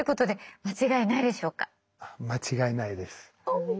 間違いないです。